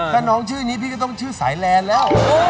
ถ้าน้องชื่อนี้พี่ก็ต้องชื่อสายแลนด์แล้ว